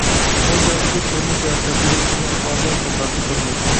ئۇ چاغدىكى تۈرمە سىياسەتلىرى بىزنى ئادەم قاتارىدا كۆرمەيتتى.